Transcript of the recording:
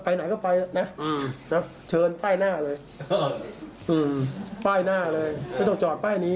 ไหนก็ไปนะเชิญป้ายหน้าเลยป้ายหน้าเลยไม่ต้องจอดป้ายนี้